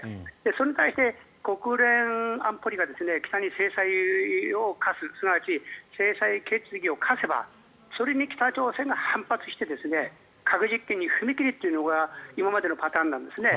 それに対して国連安保理が北に制裁を科すすなわち制裁決議を科せばそれに北朝鮮が反発して核実験に踏み切るというのが今までのパターンなんですね。